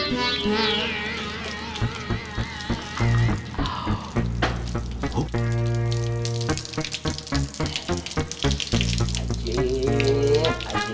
neliti prosesnya mbak co